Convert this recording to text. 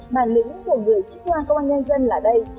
bản lĩnh của người sĩ quan công an nhân dân là đây